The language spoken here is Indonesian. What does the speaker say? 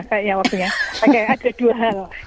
kayaknya ada dua hal